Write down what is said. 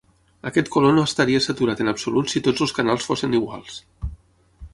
Aquest color no estaria saturat en absolut si tots els canals fossin iguals.